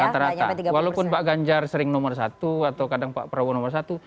rata rata walaupun pak ganjar sering nomor satu atau kadang pak prabowo nomor satu